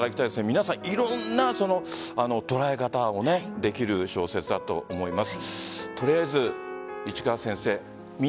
皆さん、いろんな捉え方をできる小説だと思います。